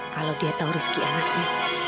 kalau dia tahu rizki anaknya